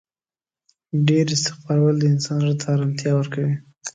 ډیر استغفار ویل د انسان زړه ته آرامتیا ورکوي